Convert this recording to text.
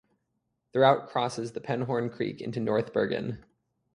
The route crosses the Penhorn Creek into North Bergen.